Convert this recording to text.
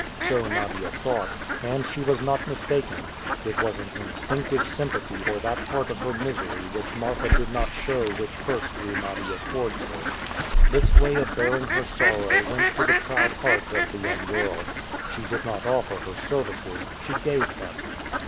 So Nadia thought; and she was not mistaken. It was an instinctive sympathy for that part of her misery which Marfa did not show which first drew Nadia towards her. This way of bearing her sorrow went to the proud heart of the young girl. She did not offer her services; she gave them.